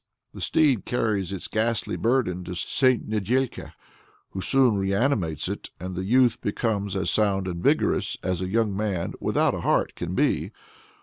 The steed carries its ghastly burden to St. Nedĕlka, who soon reanimates it, and the youth becomes as sound and vigorous as a young man without a heart can be.